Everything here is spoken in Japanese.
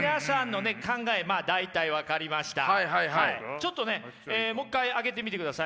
ちょっともう一回上げてみてください。